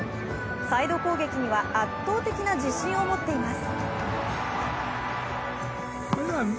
サイド攻撃には圧倒的な自信を持っています。